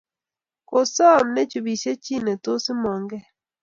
kosom ne chubishe chii ne tos imong kei